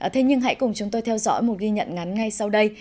thế nhưng hãy cùng chúng tôi theo dõi một ghi nhận ngắn ngay sau đây